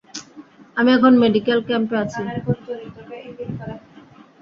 আমি এখন মেডিকেল ক্যাম্পে আছি।